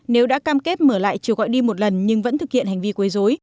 nếu đã cam kết mở lại chiều gọi đi một lần nhưng vẫn thực hiện hành vi quấy dối